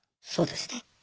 そうですね。